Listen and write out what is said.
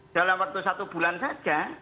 dalam waktu satu bulan saja